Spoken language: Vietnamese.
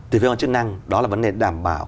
từ phía ngân chức năng đó là vấn đề đảm bảo